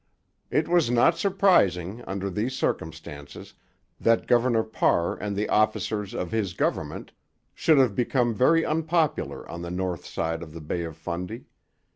It was not surprising, under these circumstances, that Governor Parr and the officers of his government should have become very unpopular on the north side of the Bay of Fundy.